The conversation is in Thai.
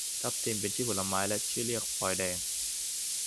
ทับทิม เป็นชื่อผลไม้ ละชื่อเรียกพลอยแดง